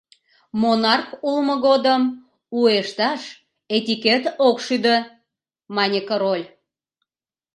— Монарх улмо годым уэшташ этикет ок шӱдӧ, — мане король.